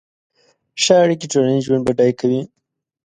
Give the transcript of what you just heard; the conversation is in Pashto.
ښه اړیکې ټولنیز ژوند بډای کوي.